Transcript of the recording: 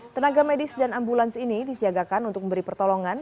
tenaga medis dan ambulans ini disiagakan untuk memberi pertolongan